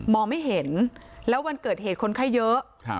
ไม่เห็นแล้ววันเกิดเหตุคนไข้เยอะ